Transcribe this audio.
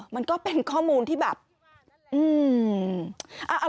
มันก็เป็นข้อมูลที่แบบอืม